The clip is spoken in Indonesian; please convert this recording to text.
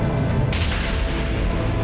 suara bangku mas